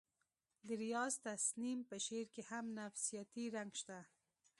د ریاض تسنیم په شعر کې هم نفسیاتي رنګ شته